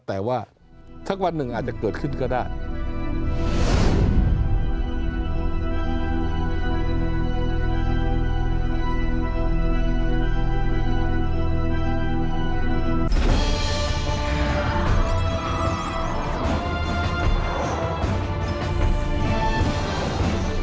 แต่ว่าสักวันหนึ่งอาจจะเกิดขึ้นก็ได้